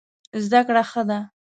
زده کړه ښه ده.